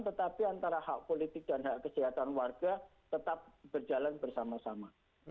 tetapi antara hak politik dan hak kesehatan warga tetap berjalan bersama sama